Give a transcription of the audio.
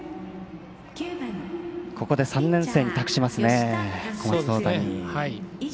ここで３年生に託しますね小松大谷。